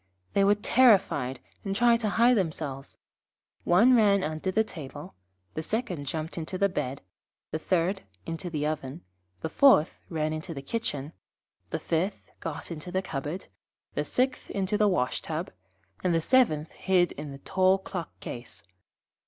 They were terrified, and tried to hide themselves. One ran under the table, the second jumped into bed, the third into the oven, the fourth ran into the kitchen, the fifth got into the cupboard, the sixth into the wash tub, and the seventh hid in the tall clock case.